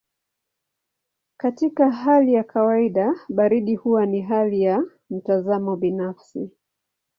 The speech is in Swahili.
Katika hali ya kawaida baridi huwa ni hali ya mtazamo binafsi.